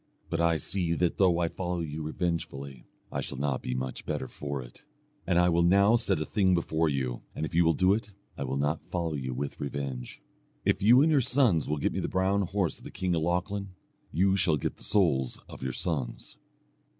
But I see that though I follow you revengefully, I shall not be much better for it, and I will now set a thing before you, and if you will do it, I will not follow you with revenge. If you and your sons will get me the brown horse of the king of Lochlann, you shall get the souls of your sons."